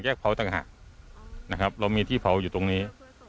เผาต่างหากนะครับเรามีที่เผาอยู่ตรงนี้